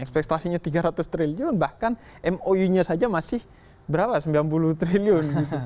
ekspektasinya tiga ratus triliun bahkan mou nya saja masih berapa sembilan puluh triliun